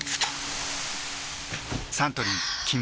サントリー「金麦」